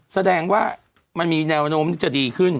แสดงว่ามันมีแนวโน้มที่จะดีขึ้น